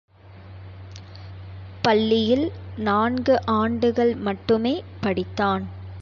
பள்ளியில் நான்கு ஆண்டுகள் மட்டுமே படித்தான்.